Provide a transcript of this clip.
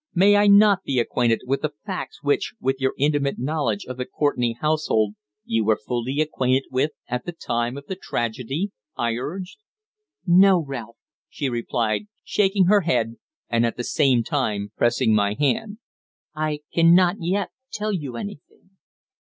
May I not be acquainted with the facts which, with your intimate knowledge of the Courtenay household, you were fully acquainted with at the time of the tragedy?" I urged. "No, Ralph," she replied, shaking her head, and at the same time pressing my hand. "I cannot yet tell you anything."